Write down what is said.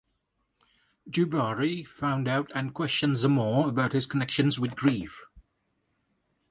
Du Barry found out and questioned Zamor about his connections with Grieve.